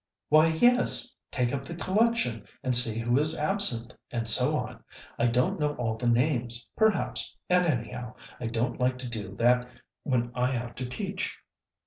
"Why, yes! take up the collection, and see who is absent, and so on. I don't know all the names, perhaps, and, anyhow, I don't like to do that when I have to teach!"